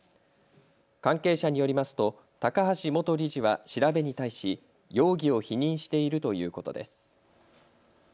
関係者によりますと高橋元理事は調べに対し容疑を否認しているということです。